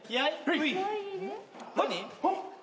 何？